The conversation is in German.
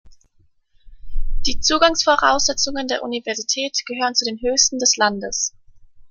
Die Zugangsvoraussetzungen der Universität gehören zu den höchsten des Landes.